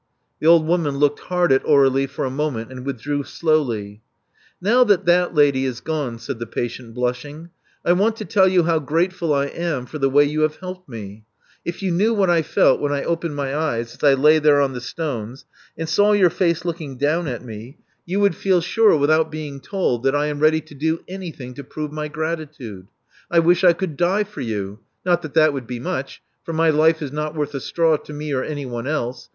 The old woman looked hard at Aurflie for a moment, and withdrew slowly. Now that that lady is gone," said the patient, blushing, I want to tell you how grateful I am for the way you have helped me. If you knew what I felt when I opened my eyes as I lay there on the stones, and saw your face looking down at me, you would feel Love Among the Artists 353 sure, without being told, that I am ready to do any thing to prove my gratitude. I wish I could die for you. Not that that would be much; for my life is not worth a straw to me or anyone else.